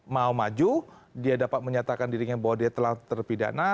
mau maju dia dapat menyatakan dirinya bahwa dia telah terpidana